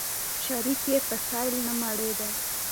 شريف يې په سيل نه مړېده.